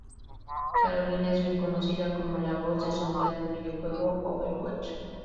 Carolina es bien conocida como la voz de "Sombra" del videojuego Overwatch.